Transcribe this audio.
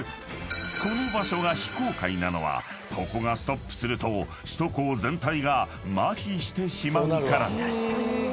［この場所が非公開なのはここがストップすると首都高全体がまひしてしまうから］